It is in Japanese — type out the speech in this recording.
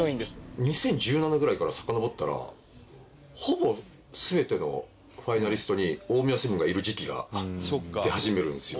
２０１７ぐらいからさかのぼったらほぼ全てのファイナリストに大宮セブンがいる時期が出始めるんですよ。